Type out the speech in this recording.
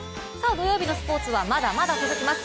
土曜日のスポ−ツはまだまだ続きます。